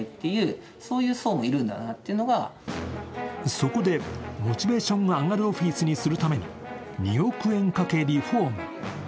そこで、モチベーションが上がるオフィスにするために２億円かけてリフォーム。